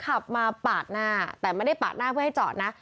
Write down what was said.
ขับมาปาดหน้าแต่ไม่ได้ปาดหน้าเพื่อให้จอดนะ